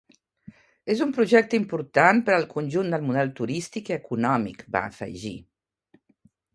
És un projecte important per al conjunt del model turístic i econòmic, va afegir.